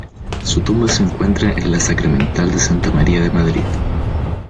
Su tumba se encuentra en la Sacramental de Santa María de Madrid.